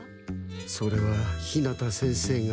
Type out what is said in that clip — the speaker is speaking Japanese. それは日向先生が。